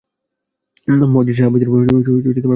মুহাজির সাহাবীদের পতাকা বহন করছে।